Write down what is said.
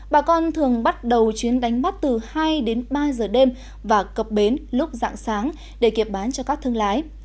bà con thường bắt đầu chuyến đánh bắt từ hai đến ba giờ đêm và cập bến lúc dạng sáng để kiệp bán cho các thương lái